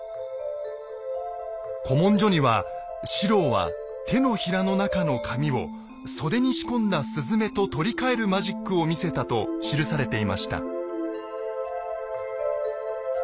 古文書には四郎は手のひらの中の紙を袖に仕込んだスズメと取り替えるマジックを見せたと記されていました。